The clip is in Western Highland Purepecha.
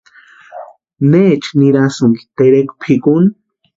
¿Neecha nirasïnki terekwa pʼikuni?